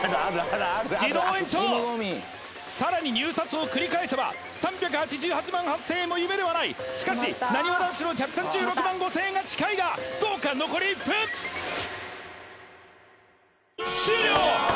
自動延長さらに入札を繰り返せば３８８万８０００円も夢ではないしかしなにわ男子の１３６万５０００円が近いがどうか残り１分終了！